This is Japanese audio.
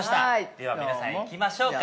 では皆さん、いきましょうか。